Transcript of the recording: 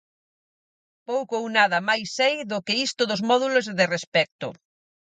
Pouco ou nada mais sei do que isto dos módulos de respecto.